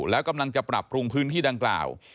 แล้วกำลังจะปรับปรุงพื้นที่ดังกล่าว